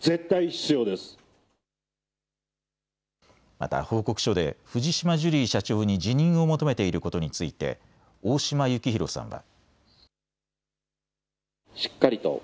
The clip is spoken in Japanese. また報告書で藤島ジュリー社長に辞任を求めていることについて大島幸広さんは。